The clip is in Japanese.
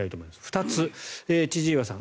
２つ、千々岩さん。